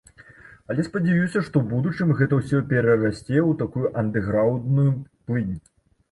Але спадзяюся, што ў будучым гэта ўсё перарасце ў такую андэграўндную плынь.